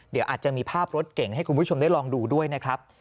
เดี๋ยวอาจจะมีภาพรถเก่งให้คุณผู้ชมได้ลองดูด้วยนะครับ